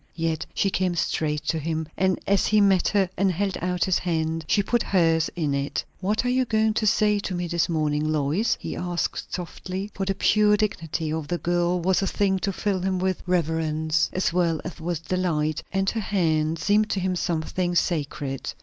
Yet she came straight to him, and as he met her and held out his hand, she put hers in it. "What are you going to say to me this morning, Lois?" he said softly; for the pure dignity of the girl was a thing to fill him with reverence as well as with delight, and her hand seemed to him something sacred.